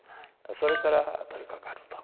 それから取りかかると。